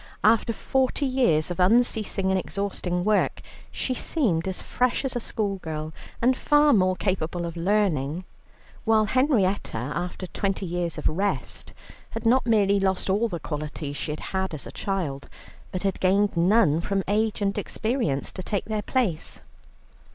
After forty years of unceasing and exhausting work she seemed as fresh as a schoolgirl, and far more capable of learning, while Henrietta after twenty years of rest, had not merely lost all the qualities she had had as a child, but had gained none from age and experience to take their place.